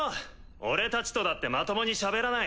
俺たちとだってまともにしゃべらない。